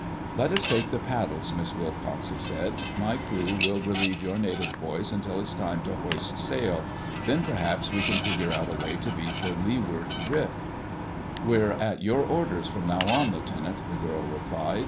"Let us take the paddles, Miss Wilcox," he said. "My crew will relieve your native boys until it's time to hoist sail. Then perhaps we can figure out a way to beat the leeward drift." "We're at your orders from now on, Lieutenant," the girl replied.